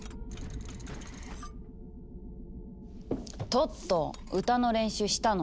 トット歌の練習したの？